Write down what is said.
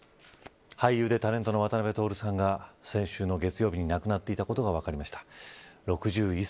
俳優でタレントの渡辺徹さんが先週の月曜日に亡くなっていたことが分かりました。